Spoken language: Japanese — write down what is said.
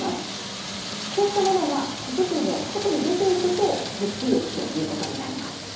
こうしたものが骨髄の外に出ていくと血液ということになります。